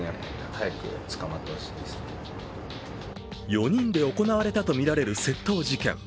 ４人で行われたとみられる窃盗事件。